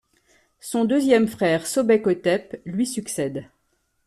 Son deuxième frère Sobekhotep lui succède.